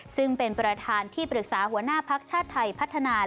ซึ่งเป็นประธานที่ปรึกษาหัวหน้าภักดิ์ชาติไทยพัฒนา